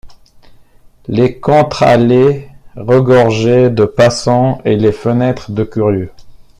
Les contre-allées regorgeaient de passants et les fenêtres de curieux.